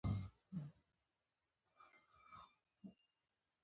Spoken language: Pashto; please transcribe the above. کېله له خوږو خوراکونو سره ځایناستېدای شي.